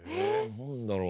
何だろう？